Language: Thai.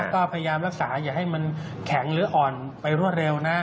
ก็พยายามรักษาอย่าให้มันแข็งหรืออ่อนไปรวดเร็วนะ